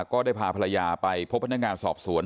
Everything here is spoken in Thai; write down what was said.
ก็ได้พาภรรยาไปพบพนักงานสอบสวน